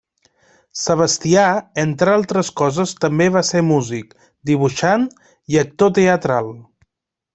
Sebastià, entre altres coses també va ser músic, dibuixant i actor teatral.